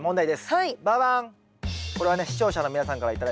はい。